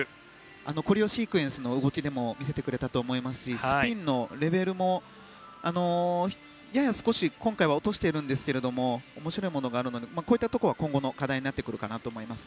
コレオシークエンスの動きでも見せてくれたと思いますしスピンのレベルもやや今回は落としているんですけど面白いものがあるのでそういったものは今後の課題になると思います。